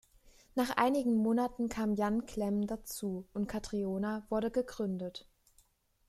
Nach einigen Monaten kam Jan Klemm dazu und Catriona wurde gegründet.